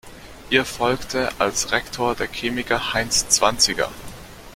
Ihr folgte als Rektor der Chemiker Heinz Zwanziger.